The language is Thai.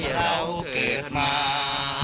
เราเกิดมา